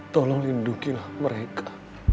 tolong lindungilah mereka